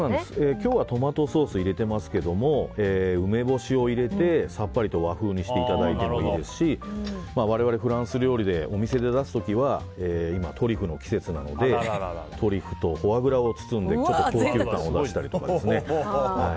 今日はトマトソース入れていますが梅干しを入れてさっぱりと和風にしていただいてもいいですし我々、フランス料理でお店で出す時は今トリュフの季節なのでトリュフとフォアグラを包んでちょっと高級感を出したりとか。